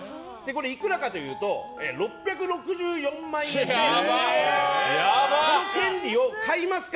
いくらかというと６６４万円でこの権利を買いますか？